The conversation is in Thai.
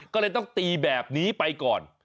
ก็เลยต้องตีแบบนี้ไปก่อน